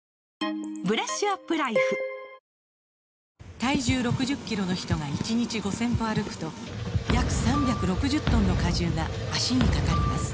体重６０キロの人が１日５０００歩歩くと約３６０トンの荷重が脚にかかります